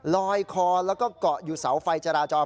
ลอยคอแล้วก็เกาะอยู่เสาไฟจราจร